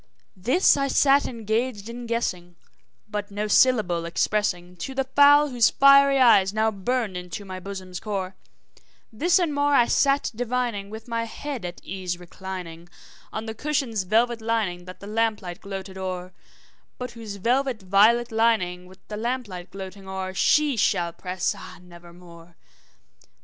This I sat engaged in guessing, but no syllable expressing To the fowl whose fiery eyes now burned into my bosom's core; This and more I sat divining, with my head at ease reclining On the cushion's velvet lining that the lamp light gloated o'er, But whose velvet violet lining with the lamp light gloating o'er, She shall press, ah, nevermore!